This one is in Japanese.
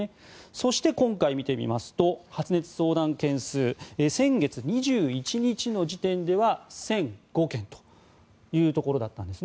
そして、今回見てみますと発熱相談件数先月２１日の時点では１００５件というところだったんですね。